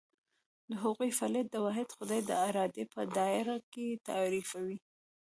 د هغوی فعالیت د واحد خدای د ارادې په دایره کې تعریفېږي.